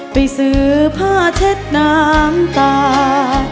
ไปซื้อผ้าเช็ดน้ำตา